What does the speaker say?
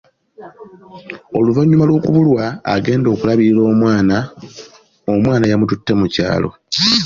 Oluvannyuma lw’okubulwa, agenda okulabirira omwana, omwana yamututte mu kyalo.